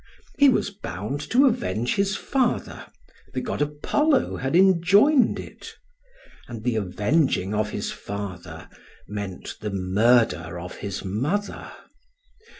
He was bound to avenge his father, the god Apollo had enjoined it; and the avenging of his father meant the murder of his mother.